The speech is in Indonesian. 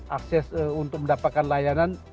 akses untuk mendapatkan layanan